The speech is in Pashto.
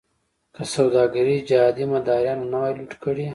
که سوداګري جهادي مداریانو نه وی لوټ کړې.